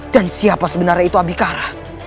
dan siapa sebenarnya itu abikara